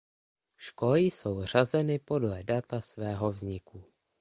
Školy jsou řazeny podle data svého vzniku.